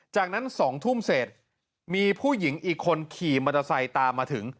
จากนั้น๒ทุ่มเสร็จมีผู้หญิงอีกคนขี่มอเตอร์ไซค์ตามมาถึง